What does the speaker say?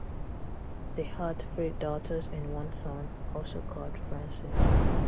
They had three daughters and one son, also called Francis.